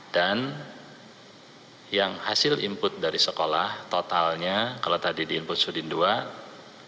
dan yang hasil input dari sekolah totalnya kalau tadi di input sudin ii